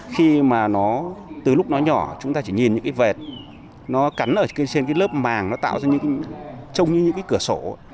khi mà nó từ lúc nó nhỏ chúng ta chỉ nhìn những cái vẹt nó cắn ở trên cái lớp màng nó tạo ra những cái trông như những cái cửa sổ